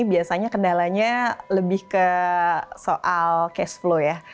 biasanya kendalanya lebih ke soal cash flow ya